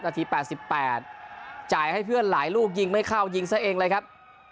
ที๘๘จ่ายให้เพื่อนหลายลูกยิงไม่เข้ายิงซะเองเลยครับ